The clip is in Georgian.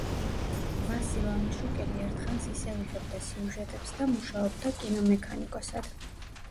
ვასილ ამაშუკელი ერთხანს ისევ იღებდა სიუჟეტებს და მუშაობდა კინომექანიკოსად.